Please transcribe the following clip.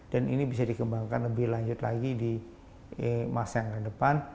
dan ini bisa dikembangkan lebih lanjut lagi di masa yang akan depan